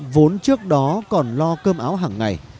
vốn trước đó còn lo cơm áo hàng ngày